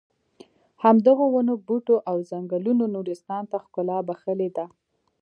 همدغو ونو بوټو او ځنګلونو نورستان ته ښکلا بښلې ده.